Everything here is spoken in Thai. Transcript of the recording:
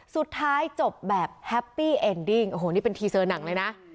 สุดท้ายจบแบบแฮปปี้เอ็นดิ้งโอ้โหนี่เป็นทีเซอร์หนังเลยนะ